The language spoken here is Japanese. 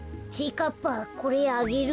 かっぱこれあげる。